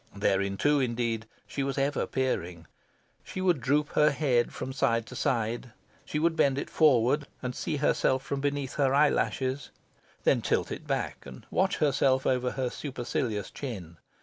Thereinto, indeed, she was ever peering. She would droop her head from side to side, she would bend it forward and see herself from beneath her eyelashes, then tilt it back and watch herself over her supercilious chin.